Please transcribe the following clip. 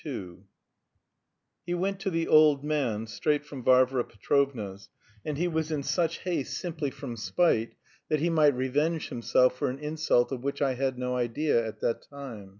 II He went to the "old man" straight from Varvara Petrovna's, and he was in such haste simply from spite, that he might revenge himself for an insult of which I had no idea at that time.